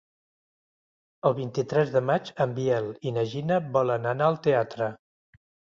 El vint-i-tres de maig en Biel i na Gina volen anar al teatre.